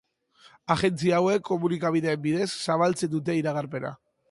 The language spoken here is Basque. Agentzia hauek komunikabideen bidez zabaltzen dute iragarpena.